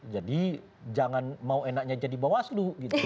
jadi jangan mau enaknya jadi bawas lu gitu